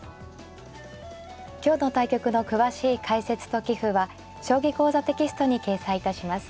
今日の対局の詳しい解説と棋譜は「将棋講座」テキストに掲載いたします。